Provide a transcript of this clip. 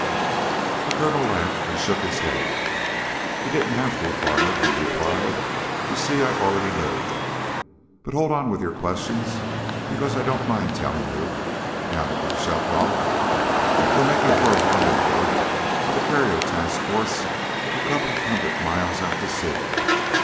The colonel laughed and shook his head. "He didn't have to, Farmer," he replied. "You see, I already knew. But hold on with your questions, because I don't mind telling you, now that we've shoved off. We're making for a rendezvous with a carrier task force a couple of hundred miles out to sea.